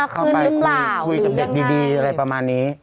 เข้าไปคุยกับเด็กดีอะไรประมาณนี้